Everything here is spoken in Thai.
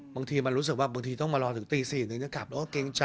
บางทีมันรู้สึกว่าบางทีต้องมารอถึงตี๔ถึงจะกลับแล้วก็เกรงใจ